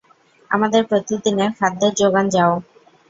আমাদের প্রতিদিনের খাদ্যের জোগান যাও!